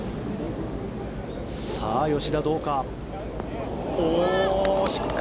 さあ吉田、どうか。